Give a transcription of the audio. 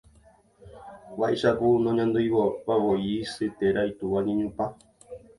Vaicháku noñanduivavoi isy térã itúva ñenupã.